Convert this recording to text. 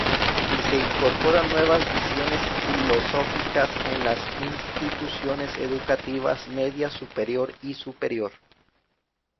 Y se incorporan nuevas visiones filosóficas en las instituciones educativas media superior y superior.